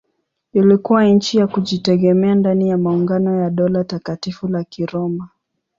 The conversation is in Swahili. Ilikuwa nchi ya kujitegemea ndani ya maungano ya Dola Takatifu la Kiroma.